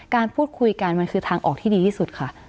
มันคือทางออกที่ดีที่สุดค่ะ